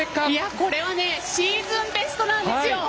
これはシーズンベストなんですよ。